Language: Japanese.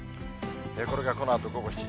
これがこのあと午後７時。